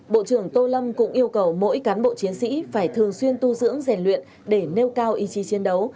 bộ trưởng tô lâm cũng yêu cầu mỗi cán bộ chiến sĩ phải thường xuyên tu dưỡng rèn luyện để nêu cao ý chí chiến đấu